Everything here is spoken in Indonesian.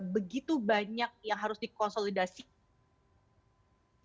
begitu banyak yang harus dikonsolidasi dan dikoordinasikan gitu